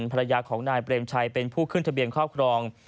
ภรรยาของนายเปรมชัยเป็นผู้ขึ้นทะเบียนครอบครอง